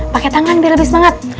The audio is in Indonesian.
pakai tangan biar lebih semangat